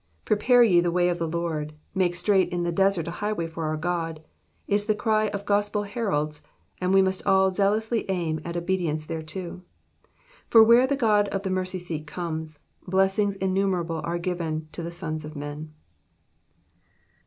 Prepare ye the w^ay of the Lord, make strai«^ht in the deseit a highwMy for our God,'' is the cry of gospel heralds, and we must all zealously aim at cbedience thereto ; for where the God of the mercy seat comes, blessings innumerable are given to the sons of men.